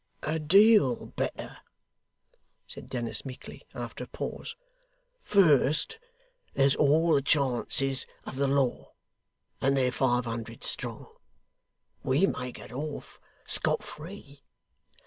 'A deal better,' said Dennis meekly, after a pause. 'First, there's all the chances of the law, and they're five hundred strong. We may get off scot free.